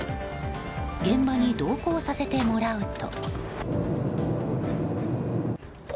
現場に同行させてもらうと。